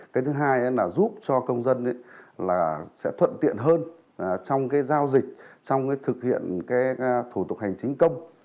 cái thứ hai là giúp cho công dân sẽ thuận tiện hơn trong giao dịch trong thực hiện thủ tục hành chính công